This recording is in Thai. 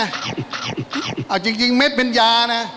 เอาจริงเม็ดเป็นยานะ